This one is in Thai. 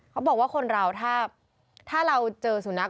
เขาบอกว่าคนเราถ้าเราเจอสุนัข